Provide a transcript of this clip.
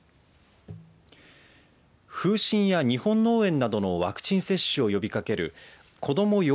風しんや日本脳炎などのワクチン接種を呼びかける子ども